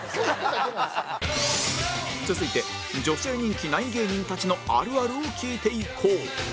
続いて女性人気ない芸人たちのあるあるを聞いていこう